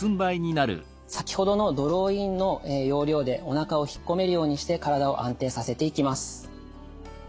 先ほどのドローインの要領でおなかをひっこめるようにして体を安定させていきます。